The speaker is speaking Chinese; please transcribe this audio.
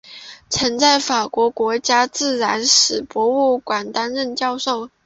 曾在法国国家自然史博物馆担任教授。